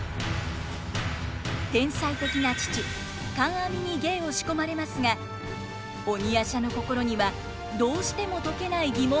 天才的な父観阿弥に芸を仕込まれますが鬼夜叉の心にはどうしても解けない疑問が渦巻いています。